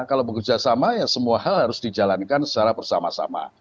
kalau bekerja sama ya semua hal harus dijalankan secara bersama sama